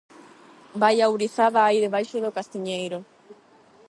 Vaia ourizada hai debaixo do castiñeiro!